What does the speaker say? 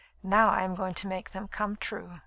"Now I am going to make them come true."